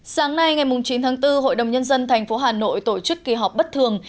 sáng nay ngày chín tháng bốn hội đồng nhân dân tp hà nội tổ chức kỳ họp bất thường